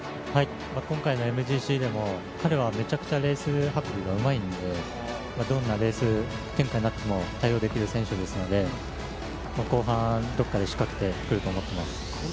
今回のＭＧＣでも、彼はめちゃくちゃレース運びがうまいのでどんなレース展開になっても対応できる選手ですので後半、どこかで仕掛けてくると思っています。